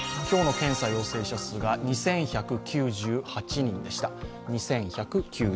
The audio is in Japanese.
今日の検査陽性者数が２１９８人でした。